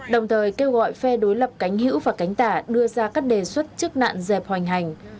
đồng thời kêu gọi phe đối lập cánh hữu và cánh tả đưa ra các đề xuất trước nạn dẹp hoành hành